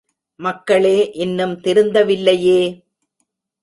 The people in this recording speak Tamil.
மக்களே இன்னும் திருந்த வில்லையே!